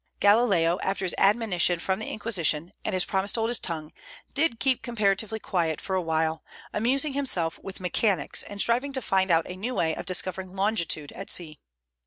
Galileo, after his admonition from the Inquisition, and his promise to hold his tongue, did keep comparatively quiet for a while, amusing himself with mechanics, and striving to find out a new way of discovering longitude at sea.